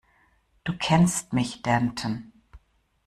Du kennst mich, Danton.